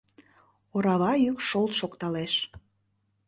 Орава йӱк шолт шокталеш.